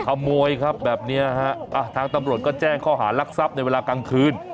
ขโมยครับแบบเนี้ยฮะทางตำรวจก็แจ้งข้อหารักทรัพย์ในเวลากลางคืน